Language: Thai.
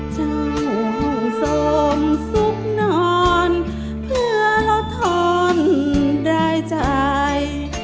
เจ้าสมสุบนอนเพื่อเราทนได้จ่าย